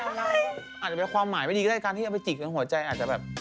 อาจจะเป็นความหมายตัวนิดนึงการที่จะไปจิกในน้องหัวใจอาจจะแบบ